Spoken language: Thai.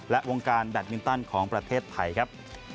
และวงการแบตมินตันของประเทศไทยครับ